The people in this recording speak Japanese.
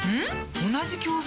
同じ教材？